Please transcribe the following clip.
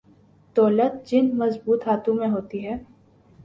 دولت جن مضبوط ہاتھوں میں ہوتی ہے۔